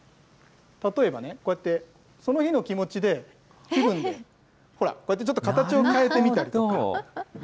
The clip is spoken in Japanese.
例えばこうやってその日の気持ちで、気分で、ほら、こうやって形を変えてみたりとか。